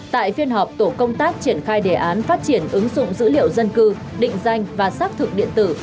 tại phiên họp tổ công tác triển khai đề án phát triển ứng dụng dữ liệu dân cư định danh và xác thực điện tử